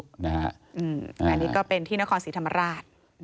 อันนี้ก็เป็นที่นครศรีธรรมราช